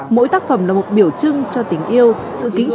mỗi tác phẩm là một biểu trưng cho tình yêu